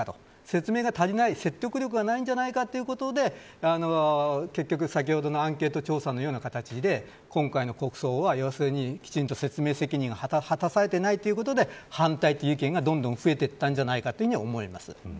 説明が足りない説得力がないということで結局先ほどのアンケート調査のような形で今回の国葬はきちんと説明責任を果たされていないということで反対という意見が、どんどん増えていったんじゃないかと思います。